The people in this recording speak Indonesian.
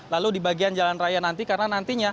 lalu di bagian jalan raya nanti